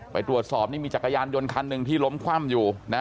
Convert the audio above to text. ไปตรวจสอบนี่มีจักรยานยนต์คันหนึ่งที่ล้มคว่ำอยู่นะ